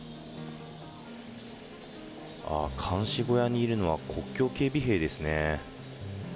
監視小屋にいるのは国境警備兵ですね。